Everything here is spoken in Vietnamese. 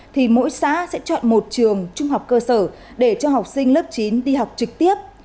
thì mỗi xã sẽ chọn một trường trung học cơ sở để cho học sinh lớp chín đi học trực tiếp